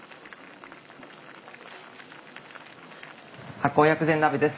醗酵薬膳鍋です。